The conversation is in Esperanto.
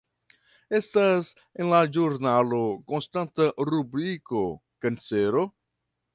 Estas en la ĵurnalo konstanta rubriko Kancero.